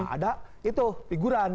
ada itu figuran